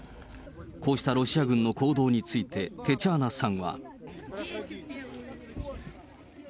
こうしたロシア軍の行動について、テチャーナさんは。